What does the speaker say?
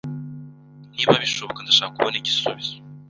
Niba bishoboka, ndashaka kubona igisubizo.